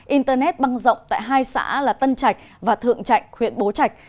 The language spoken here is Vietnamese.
internet băng rộng tại hai xã là tân trạch và thượng trạch huyện bố trạch